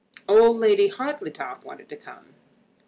Old Lady Hartletop wanted to come."